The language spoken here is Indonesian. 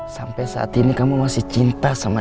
sampai saat ini kamu masih cinta sama